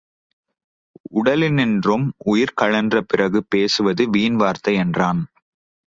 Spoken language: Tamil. உடலினின்றும் உயிர் கழன்ற பிறகு பேசுவது வீண் வார்த்தை என்றனன்.